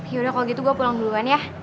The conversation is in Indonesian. yaudah kalau gitu gue pulang duluan ya